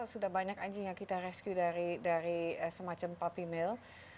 sudah banyak anjing yang kita rescue dari semacam puppy mill